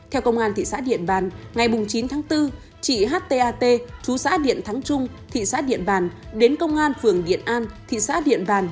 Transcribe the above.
theo công an thị xã điện bàn ngày chín tháng bốn chị h tat chú xã điện thắng trung thị xã điện bàn đến công an phường điện an thị xã điện bàn